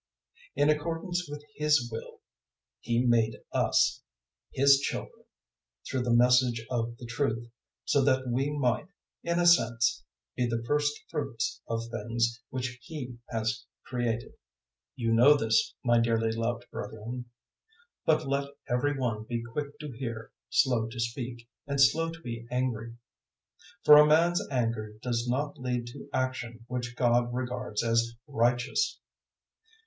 001:018 In accordance with His will He made us His children through the Message of the truth, so that we might, in a sense, be the Firstfruits of the things which He has created. 001:019 You know this, my dearly loved brethren. But let every one be quick to hear, slow to speak, and slow to be angry. 001:020 For a man's anger does not lead to action which God regards as righteous.